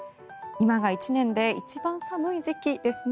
今が１年で一番寒い時期ですね。